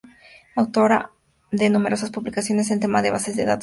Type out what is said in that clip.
Autora de numerosas publicaciones en temas de bases de datos y gestión de datos.